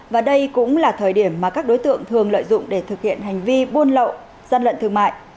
và đây cũng là thời điểm mà các đối tượng thường lợi dụng để thực hiện hành vi buôn lậu gian lận thương mại